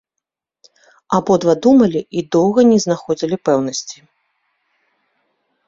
Абодва думалі і доўга не знаходзілі пэўнасці.